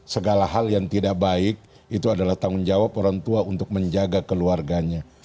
segala hal yang tidak baik itu adalah tanggung jawab orang tua untuk menjaga keluarganya